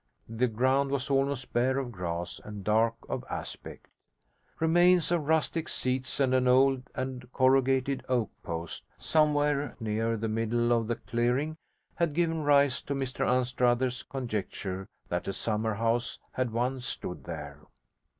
The ground was almost bare of grass and dark of aspect. Remains of rustic seats and an old and corrugated oak post somewhere near the middle of the clearing had given rise to Mr Anstruther's conjecture that a summer house had once stood there.